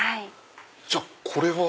じゃあこれは？